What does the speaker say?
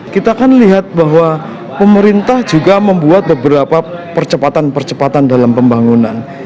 kita kan lihat bahwa pemerintah juga membuat beberapa percepatan percepatan dalam pembangunan